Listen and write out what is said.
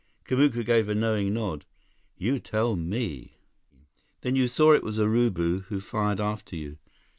Kamuka gave a knowing nod. "You tell me!" "Then you saw it was Urubu who fired after you?"